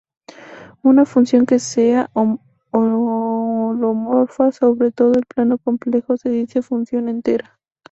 Una función que sea holomorfa sobre todo el plano complejo se dice función entera.